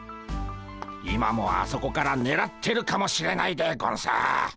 今もあそこからねらってるかもしれないでゴンス。